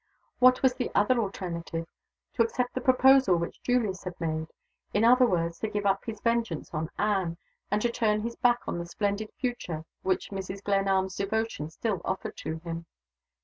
What was the other alternative? To accept the proposal which Julius had made. In other words, to give up his vengeance on Anne, and to turn his back on the splendid future which Mrs. Glenarm's devotion still offered to him.